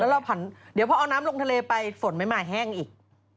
แล้วเราผันเดี๋ยวพอเอาน้ำลงทะเลไปฝนไม่มาแห้งอีก